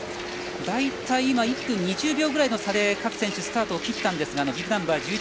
大体１分２４秒ぐらいの差で各選手スタートを切ったんですがビブナンバー